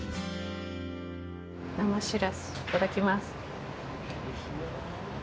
生しらす、いただきます。